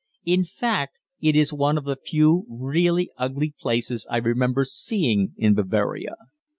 In fact, it is one of the few really ugly places I remember seeing in Bavaria.